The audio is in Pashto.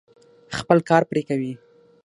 خپل کار پرې کوي.